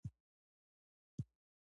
_مرکه ده.